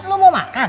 lo mau makan